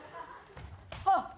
あっ。